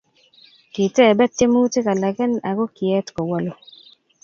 kitebe tyemutik alaken aku kiet kowolu